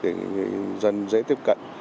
để người dân dễ tiếp cận